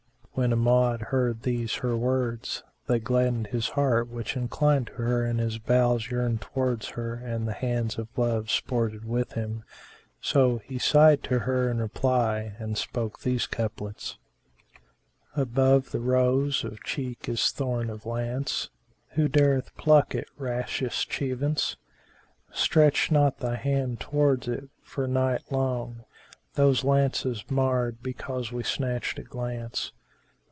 When Amjad heard these her words, they gladdened his heart which inclined to her and his bowels yearned towards her and the hands of love sported with him; so he sighed to her in reply and spoke these couplets, "Above the rose of cheek is thorn of lance;[FN#385] * Who dareth pluck it, rashest chevisance? Stretch not thy hand towards it, for night long * Those lances marred because we snatched a glance!